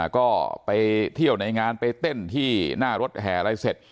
ก็ไปเที่ยวในงานไปเต้นที่หน้ารถแห่อะไรเสร็จ